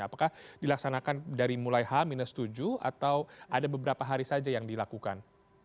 apakah dilaksanakan dari mulai h tujuh atau ada beberapa hari saja yang dilakukan